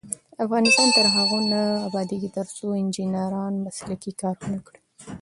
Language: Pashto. افغانستان تر هغو نه ابادیږي، ترڅو انجنیران مسلکي کار ونکړي.